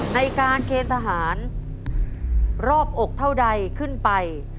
ในการเคนทหารรอบอกเท่าใดขึ้นไป